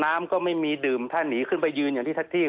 น้ำก็ไม่มีดื่มถ้าหนีขึ้นไปยืนอย่างที่แท็กซี่